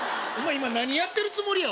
今何やってるつもりや？